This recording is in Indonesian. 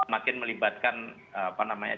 makin melibatkan apa namanya